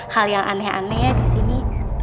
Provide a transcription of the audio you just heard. hal yang aneh aneh disini